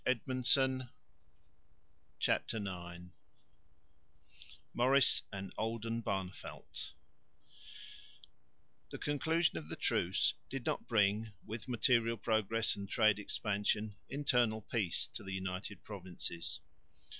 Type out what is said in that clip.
CHAPTER IX MAURICE AND OLDENBARNEVELDT The conclusion of the truce did not bring, with material progress and trade expansion, internal peace to the United Provinces.